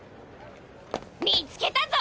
見つけたぞ！